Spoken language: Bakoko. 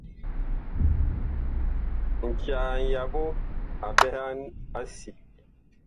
Ncaa ŋyaɓo a ɓɛhan a si.